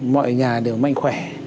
mọi nhà đều mạnh khỏe